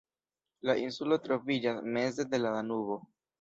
La insulo troviĝas meze de la Danubo.